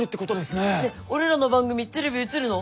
ねっ俺らの番組テレビ映るの？